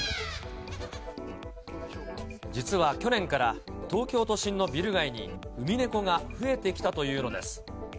実は、去年から東京都心のビル街にウミネコが増えてきたというのです。